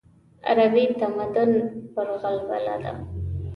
غربي تمدن پر غلبه ده.